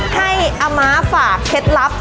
ให้อาม่าฝากเค้ตรัส